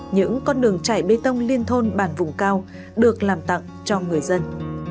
những con đường chảy bê tông liên thôn bản vùng cao được làm tặng cho người dân